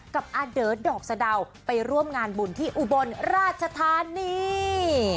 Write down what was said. กับอาเดอร์ดอกสะดาวไปร่วมงานบุญที่อุบลราชธานี